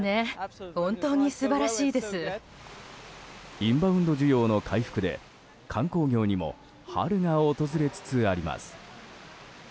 インバウンド需要の回復で観光業にも春が訪れつつあります。